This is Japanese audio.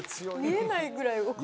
見えないぐらい奥から。